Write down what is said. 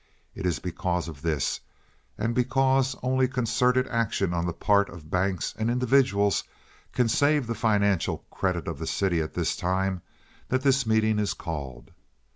It is because of this, and because only concerted action on the part of banks and individuals can save the financial credit of the city at this time, that this meeting is called.